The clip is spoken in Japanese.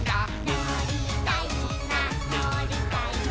「のりたいなのりたいな」